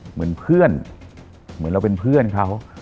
เหมือนเพื่อนเหมือนเราเป็นเพื่อนเขา